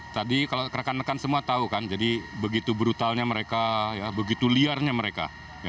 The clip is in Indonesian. tadi kalau rekan rekan semua tahu kan jadi begitu brutalnya mereka begitu liarnya mereka